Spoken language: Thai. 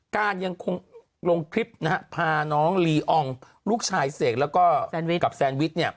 การยังลงคลิปพาน้องลีอองลูกชายเสกแล้วกับแซนวิช